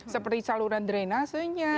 seperti saluran drainasenya